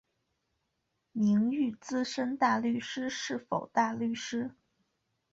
名誉资深大律师是否大律师？